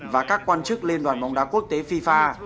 và các quan chức liên đoàn bóng đá quốc tế fifa